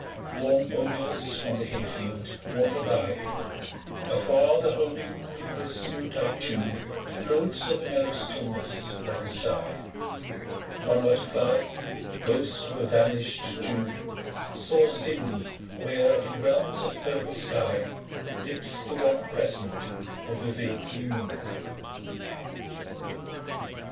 Warm odors from the hayfield wander by, Afar the homing reaper's noontide tune Floats on the mellow stillness like a sigh; One butterfly, ghost of a vanished June, Soars dimly where in realms of purple sky Dips the wan crescent of the vapory moon.